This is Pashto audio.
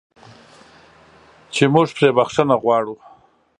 چې موږ پرې بخښنه غواړو.